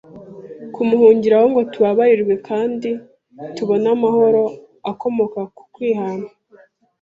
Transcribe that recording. kumuhungiraho ngo tubabarirwe kandi tubone amahoro akomoka ku kwihana